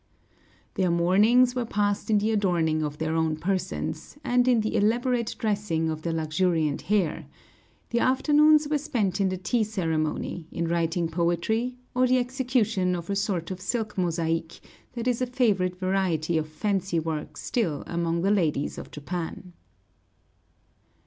Their mornings were passed in the adorning of their own persons, and in the elaborate dressing of their luxuriant hair; the afternoons were spent in the tea ceremony, in writing poetry, or the execution of a sort of silk mosaic that is a favorite variety of fancy work still among the ladies of Japan.